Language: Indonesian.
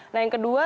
nah yang kedua